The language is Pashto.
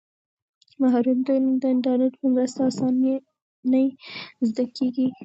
مهارتونه د انټرنیټ په مرسته په اسانۍ زده کیږي.